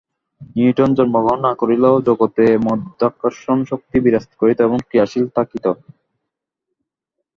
Newton জন্মগ্রহণ না করিলেও জগতে মাধ্যাকর্ষণ শক্তি বিরাজ করিত এবং ক্রিয়াশীল থাকিত।